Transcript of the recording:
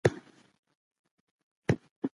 ماشوم ته ډاډ ورکول د هغه راتلونکی جوړوي.